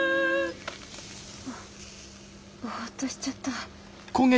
あっぼっとしちゃった。